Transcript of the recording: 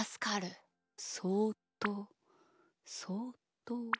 そっとそっと。